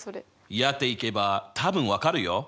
やっていけば多分分かるよ。